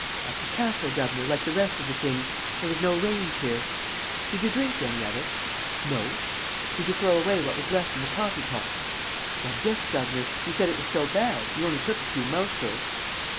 "At the castle, governor, like the rest of the things. There is no range here." "Did you drink any of it?" "No." "Did you throw away what was left in the coffee pot?" "Why, yes, governor. You said it was so bad. You only took a few mouthfuls."